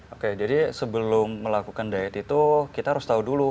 oke jadi sebelum melakukan diet itu kita harus tahu dulu